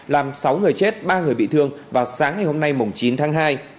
làm sáu người chết ba người bị thương vào sáng ngày hôm nay chín tháng hai